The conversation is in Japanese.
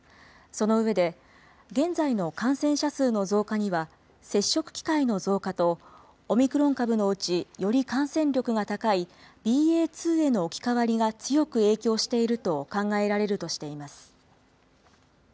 その上で、現在の感染者数の増加には、接触機会の増加と、オミクロン株のうち、より感染力が高いＢＡ．２への置き換わりが強く影響していると考えられるとしています。